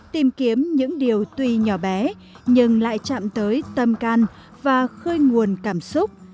tìm kiếm những điều tuy nhỏ bé nhưng lại chạm tới tâm can và khơi nguồn cảm xúc